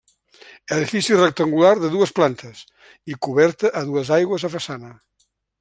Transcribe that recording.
Edifici rectangular de dues plantes i coberta a dues aigües a façana.